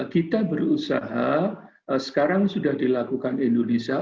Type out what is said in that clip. kita berusaha sekarang sudah dilakukan indonesia